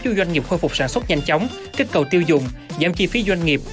giúp doanh nghiệp khôi phục sản xuất nhanh chóng kích cầu tiêu dùng giảm chi phí doanh nghiệp